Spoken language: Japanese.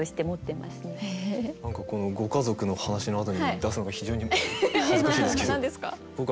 何かご家族の話のあとに出すのが非常に恥ずかしいんですけど。